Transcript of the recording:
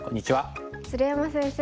鶴山先生